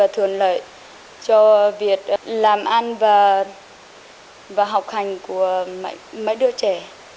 thuần lợi cho việc làm ăn và học hành của mấy đứa trẻ